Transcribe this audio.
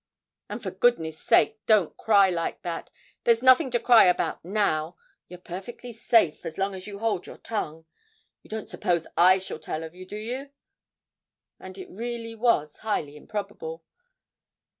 'And for goodness' sake don't cry like that there's nothing to cry about now.... You're perfectly safe as long as you hold your tongue. You don't suppose I shall tell of you, do you?' (and it really was highly improbable).